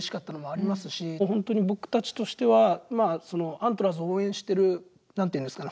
本当に僕たちとしてはまあそのアントラーズを応援してる何ていうんですかね